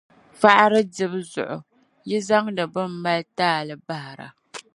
faɣiri dibu zuɣu yi zaŋdi bɛn mali taali bahira.